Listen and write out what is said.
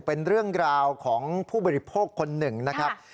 เป็นเรื่องราวของผู้บริโภคคนหนึ่งนะครับ